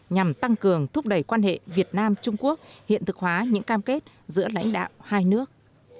nhằm tăng cường thúc đẩy quan hệ việt nam trung quốc hiện thực hóa những cam kết giữa lãnh đạo hai nước